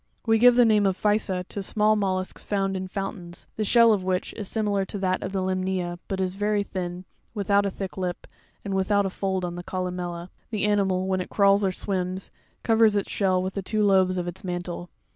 24. We give the name of Puysa a to small mollusks found in foun it tains, the shell of which (fig. 30) is similar to that of the limnea, but very thin, without a thick lip, and without a fold on the columella. The animal, when it crawls or swims, covers its shell with the two lobes of its mantle.